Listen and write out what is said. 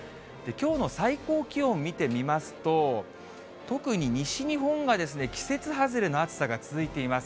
きょうの最高気温、見てみますと、特に西日本が季節外れの暑さが続いています。